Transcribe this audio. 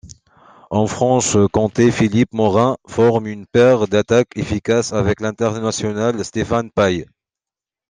En Franche-Comté, Philippe Morin forme une paire d'attaque efficace avec l'international Stéphane Paille.